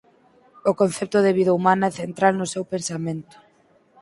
O concepto de vida humana é central no seu pensamento.